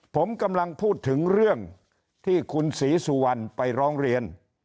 ผมกำลังพูดถึงเรื่องที่คุณศรีสุวรรณไปร้องเรียน